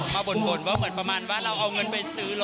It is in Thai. บ่นว่าเหมือนประมาณว่าเราเอาเงินไปซื้อรถ